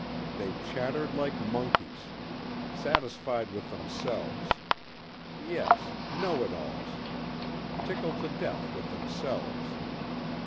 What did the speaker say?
They chattered like monkeys. Satisfied with themselves. Yes, know it alls, tickled to death with themselves.